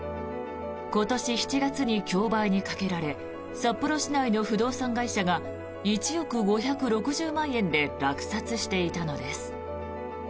今年７月に競売にかけられ札幌市内の不動産会社が１億５６０万円で落札していたのです。